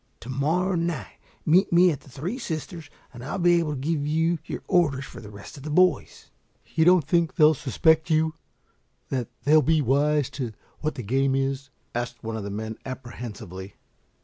"To morrow night meet me at the Three Sisters and I'll be able to give you your orders for the rest of the boys." "You don't think they'll suspect you that they'll be wise to what the game is?" asked one of the men apprehensively.